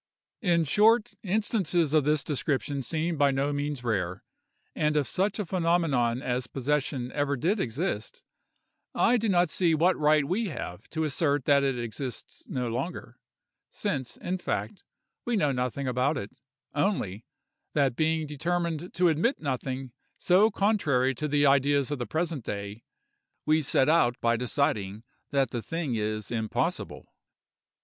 In short, instances of this description seem by no means rare; and if such a phenomenon as possession ever did exist, I do not see what right we have to assert that it exists no longer, since, in fact, we know nothing about it; only, that being determined to admit nothing so contrary to the ideas of the present day, we set out by deciding that the thing is impossible.